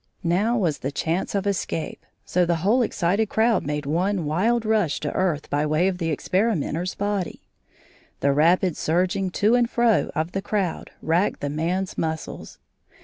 Now was the chance of escape, so the whole excited crowd made one wild rush to earth by way of the experimenter's body. The rapid surging to and fro of the crowd racked the man's muscles.